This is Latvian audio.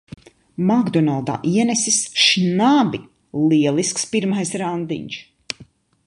"Makdonaldā" ienesis šnabi! Lielisks pirmais randiņš.